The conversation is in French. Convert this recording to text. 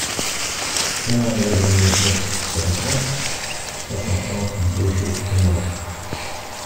Chemin de la Grand-Maison, quarante-neuf, cent cinquante Baugé-en-Anjou